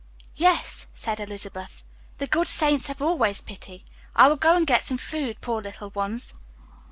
"Yes," said Elizabeth, "the good Saints have always pity. I will go and get some food poor little ones."